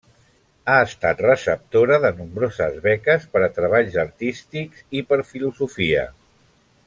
Ha estat receptora de nombroses beques per a treballs artístics i per filosofia.